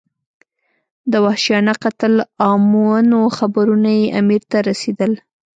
د وحشیانه قتل عامونو خبرونه یې امیر ته رسېدل.